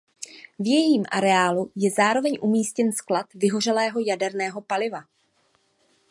V jejím areálu je zároveň umístěn sklad vyhořelého jaderného paliva.